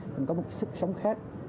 mình có một sức sống khác